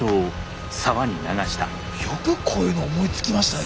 よくこういうの思いつきましたね